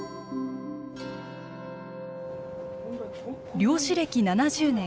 漁師歴７０年